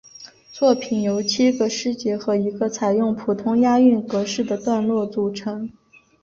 作品由七个诗节和一个采用普通押韵格式的段落组成。